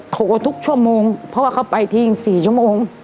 โทรทุกชั่วโมงเพราะว่าเค้าไปที่๔ชั่วโมง